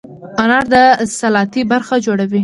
انار د سلاتې برخه جوړوي.